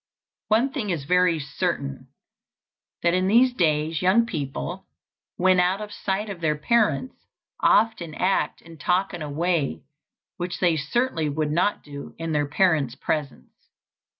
One thing is very certain: that in these days young people, when out of sight of their parents, often act and talk in a way which they certainly would not do in their parents' presence.